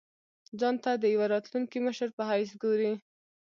ځان ته د یوه راتلونکي مشر په حیث ګوري.